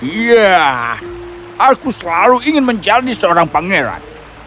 iya aku selalu ingin menjadi seorang pangeran